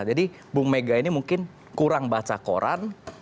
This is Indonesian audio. jadi ibu megawati ini mungkin kurang baca koran